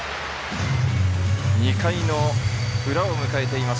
２回の裏を迎えています。